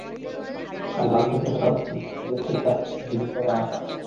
তার লাল মুখে মোটা ভুরুদুটোও বীভৎস গাঢ় লাল রঙে গভীরভাবে আঁকা।